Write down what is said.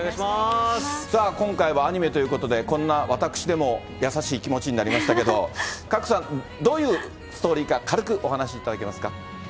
さあ、今回はアニメということで、こんな私でも優しい気持ちになりましたけど、賀来さん、どういうストーリーか軽くお話しいただけますか。